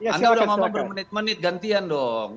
anda udah mau bermenit menit gantian dong